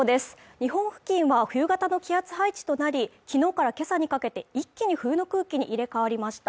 日本付近は冬型の気圧配置となり昨日から今朝にかけて一気に冬の空気に入れ替わりました